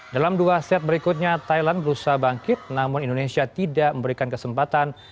dalam dua set berikutnya thailand berusaha bangkit namun indonesia tidak memberikan kesempatan